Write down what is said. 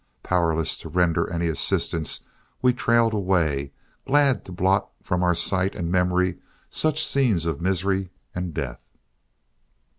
Powerless to render any assistance, we trailed away, glad to blot from our sight and memory such scenes of misery and death.